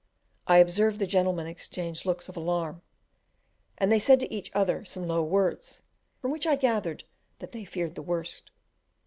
I observed the gentlemen exchange looks of alarm, and they said to each other some low words, from which I gathered that they feared the worst.